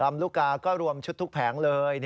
ลูกกาก็รวมชุดทุกแผงเลย